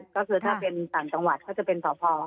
ก็คือถ้าเป็นต่างจังหวัดเขาจะเป็นสพ